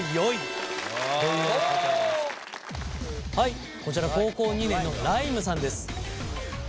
はいこちら高校２年のらいむさんです。